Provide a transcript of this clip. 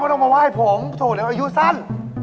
มึงว่ามาทวายผมถูกใหม่ว่ายู้สั้น